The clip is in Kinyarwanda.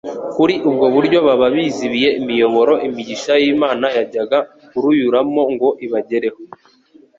Kuri ubwo buryo baba bizibiye imiyoboro imigisha y'Imana yajyaga kuruyuramo ngo ibagereho.